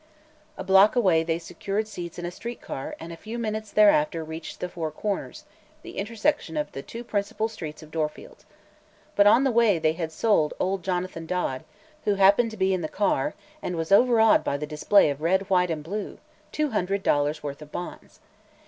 A block away they secured seats in a streetcar and a few minutes thereafter reached the "Four Corners," the intersection of the two principal streets of Dorfield. But on the way they had sold old Jonathan Dodd, who happened to be in the car and was overawed by the display of red white and blue, two hundred dollars' worth of bonds.